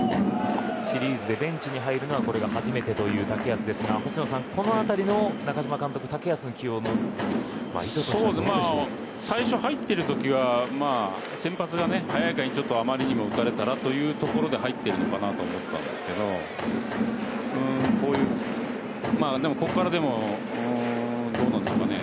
シリーズでベンチに入るのはこれが初めてという竹安ですが星野さんこのあたりの中嶋監督の竹安の起用は最初入ってるときは先発が早い回にあまりにも打たれたらというところで入ってるのかなと思ったんですけどでもここからどうなんですかね。